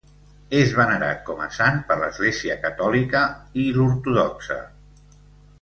És venerat com a sant per l'Església catòlica i l'ortodoxa.